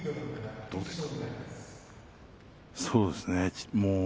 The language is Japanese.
そうですね。